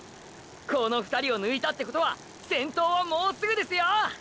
この２人を抜いたってことは先頭はもうすぐですよォ！！